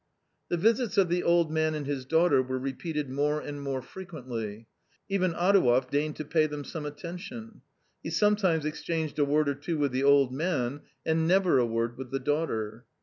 The visits of the old man and his daughter were repeated more and more frequently. Even Adouev deigned to pay them some attention. He sometimes exchanged a word or two with the old man, and never a word with the daughter.